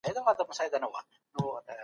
تعليم زموږ شعار دی.